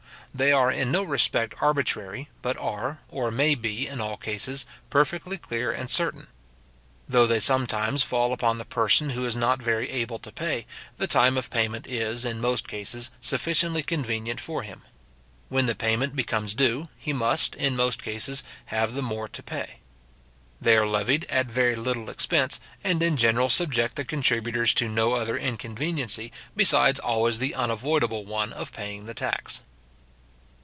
They are in no respect arbitrary, but are, or may be, in all cases, perfectly clear and certain. Though they sometimes fall upon the person who is not very able to pay, the time of payment is, in most cases, sufficiently convenient for him. When the payment becomes due, he must, in most cases, have the more to pay. They are levied at very little expense, and in general subject the contributors to no other inconveniency, besides always the unavoidable one of paying the tax.